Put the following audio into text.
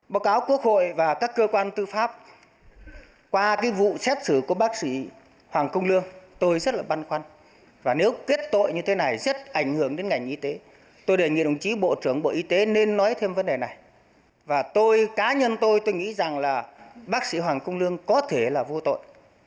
báo cáo quốc hội và các cơ quan tư pháp qua cái vụ xét xử của bác sĩ hoàng công lương tôi rất là băn khoăn và nếu kết tội như thế này rất ảnh hưởng đến ngành y tế tôi đề nghị đồng chí bộ trưởng bộ y tế nên nói thêm vấn đề này và tôi cá nhân tôi tôi nghĩ rằng là bác sĩ hoàng công lương có thể là vô tội